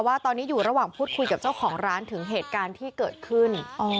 ว่าตอนนี้อยู่ระหว่างพูดคุยกับเจ้าของร้านถึงเหตุการณ์ที่เกิดขึ้น